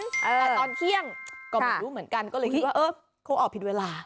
แต่ตอนเที่ยงก็ไม่รู้เหมือนกันก็เลยคิดว่าเออคงออกผิดเวลา